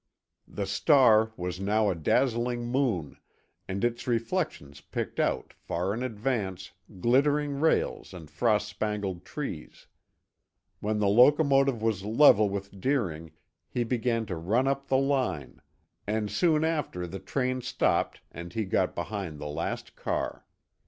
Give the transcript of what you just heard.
The star was now a dazzling moon, and its reflections picked out, far in advance, glittering rails and frost spangled trees. When the locomotive was level with Deering he began to run up the line, and soon after the train stopped he got behind the last car.